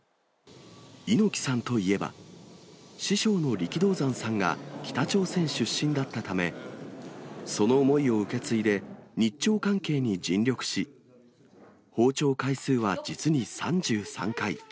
猪木さんといえば、師匠の力道山さんが北朝鮮出身だったため、その思いを受け継いで、日朝関係に尽力し、訪朝回数は実に３３回。